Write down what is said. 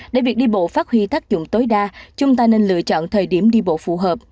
để việc đi bộ phát huy tác dụng tối đa chúng ta nên lựa chọn thời điểm đi bộ phù hợp